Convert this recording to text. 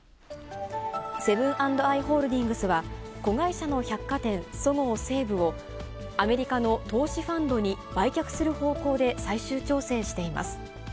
セブン＆アイ・ホールディングスは、子会社の百貨店、そごう・西武を、アメリカの投資ファンドに売却する方向で最終調整しています。